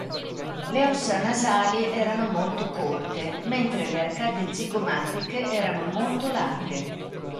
Le ossa nasali erano molto corte, mentre le arcate zigomatiche erano molto larghe.